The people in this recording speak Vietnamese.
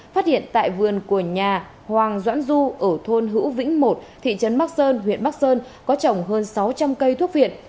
phát hiện tại vườn của nhà hoàng doãn du ở thôn hữu vĩnh một thị trấn bắc sơn huyện bắc sơn có trồng hơn sáu trăm linh cây thuốc viện